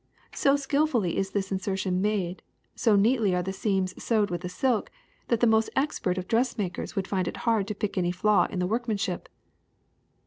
So skilfully is this insertion made, so neatly are the seams sewed with the silk, that the most expert of dressmakers would find it hard to pick any flaw in the workmanship."